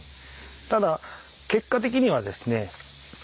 ただ結果的にはですね。